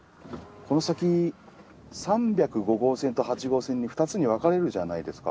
この先３０５号線と８号線に２つに分かれるじゃないですか。